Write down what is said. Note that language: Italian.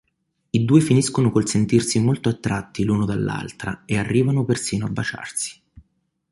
I due finiscono col sentirsi molto attratti l'uno dall'altra e arrivano persino a baciarsi.